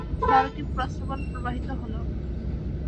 ফলে পাথর থেকে বারটি প্রস্রবণ প্রবাহিত হল।